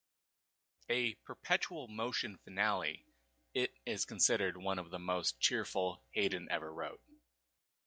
A "perpetual-motion finale," it is considered one of the most cheerful Haydn ever wrote.